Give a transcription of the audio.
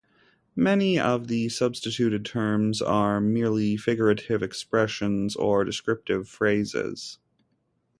Many of the substituted terms are merely figurative expressions or descriptive phrases.